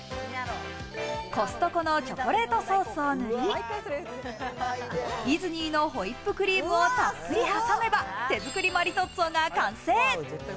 コストコのチョコレートソースを塗り、イズニーのホイップクリームをたっぷり挟めば、手づくりマリトッツォが完成。